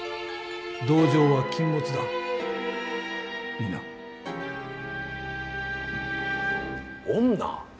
同情は禁物だ。いいな？女？